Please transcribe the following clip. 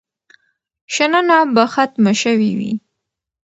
شننه به ختمه شوې وي.